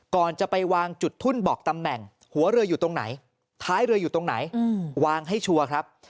ก่อนจะไปวางจุดทุ่นบอกตำแหน่งหัวเรืออยู่ตรงไหนท้ายเรืออยู่ตรงไหนวางให้ชัวร์ครับ